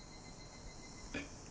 えっ？